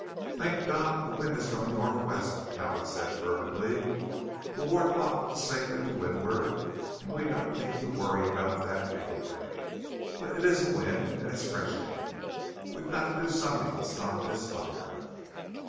"Thank God the wind is from the northwest," Talbot said fervently. "The Ward Block is safely to windward, and we don't need to worry about that, anyway. But it is a wind, and it's freshening. We've got to do something to stop this fire."